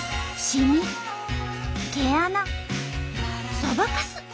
しみ毛穴そばかす。